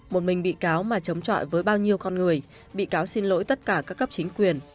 một mình bị cáo mà chống chọi với bao nhiêu con người bị cáo xin lỗi tất cả các cấp chính quyền